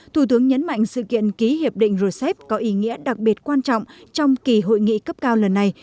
thủ tướng nhấn mạnh sự kiện ký hiệp định rcep có ý nghĩa đặc biệt quan trọng trong kỳ hội nghị cấp cao lần này